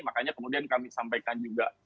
makanya kemudian kami sampaikan juga